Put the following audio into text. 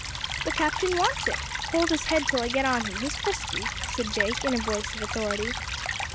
"The captain wants it. Hold his head till I get on him. He's frisky," said Jake, in a voice of authority.